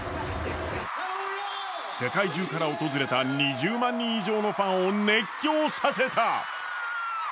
世界中から訪れた２０万人以上のファンを熱狂させた。